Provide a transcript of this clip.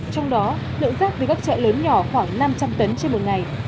trong đó lượng rác từ các chợ lớn nhỏ khoảng năm trăm linh tấn trên một ngày